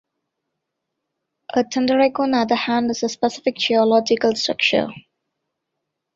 A thunderegg on the other hand is a specific geological structure.